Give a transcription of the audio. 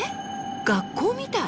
学校みたい。